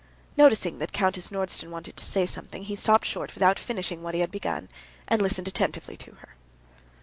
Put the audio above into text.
Noticing that Countess Nordston wanted to say something, he stopped short without finishing what he had begun, and listened attentively to her.